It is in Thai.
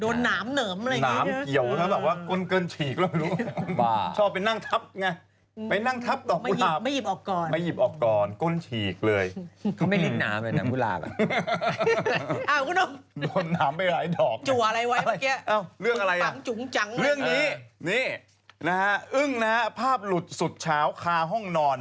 อึ้งนะภาพหลุดสุดเช้าคาห้องนอน